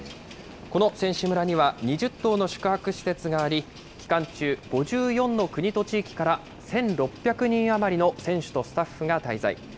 この選手村には２０棟の宿泊施設があり、期間中、５４の国と地域から、１６００人余りの選手とスタッフが滞在。